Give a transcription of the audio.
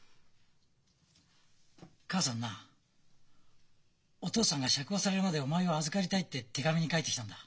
母さんなお父さんが釈放されるまでお前を預かりたいって手紙に書いてきたんだ。